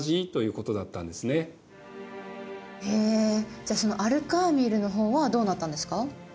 じゃあそのアル・カーミルの方はどうなったんですか？